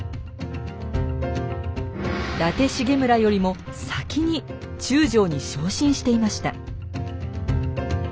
伊達重村よりも先に中将に昇進していました。